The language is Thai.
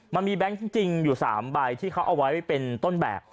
แบงค์จริงอยู่๓ใบที่เขาเอาไว้เป็นต้นแบบ